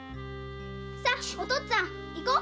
さあお父っつぁん行こう！